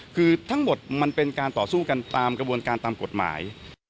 คือทั้งหมดมันเป็นการต่อสู้กันตามกระบวนการตามกฎหมาย